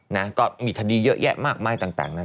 นะก็มีคดีเยอะแยะมากมายต่างนั้น